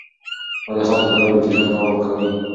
ولې خلک په ډلو کې ژوند کول خوښوي؟